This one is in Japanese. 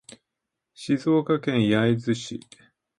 静岡県焼津市